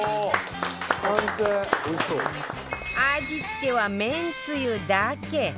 味付けはめんつゆだけ